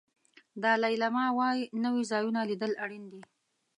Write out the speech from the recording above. دالای لاما وایي نوي ځایونه لیدل اړین دي.